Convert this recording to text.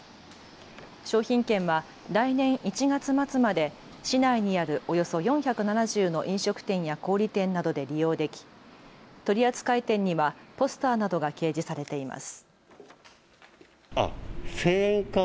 商品券は来年１月末まで市内にあるおよそ４７０の飲食店や小売店などで利用でき取扱店にはポスターなどが掲示されています。